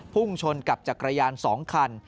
พุ่งชนกับจักรยาน๒คัน